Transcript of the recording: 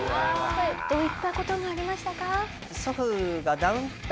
どういった事がありましたか？